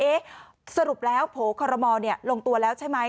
สรุปแล้วโผล่คอรมอลลงตัวแล้วใช่ไหม